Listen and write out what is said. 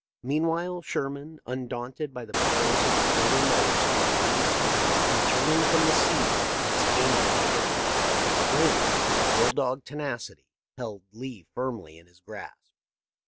Meanwhile Sherman, undaunted by the perils of a further march through the enemy's country, return THE LIFE OF LINCOLN. 56 1 ing from the sea, was aiming for Richmond, where Grant, with bull dog tenacity, held Lee firmly in his grasp.